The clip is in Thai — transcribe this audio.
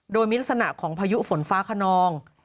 โดยมีลักษณะของพายุฝนฟ้าขนอง